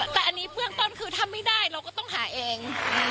แต่ให้พุ่งต้นคือทำไม่ได้เราก็ต้องหาเอง